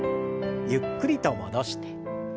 ゆっくりと戻して。